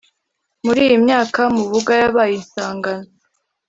muri iyi myaka mubuga yabaye isangano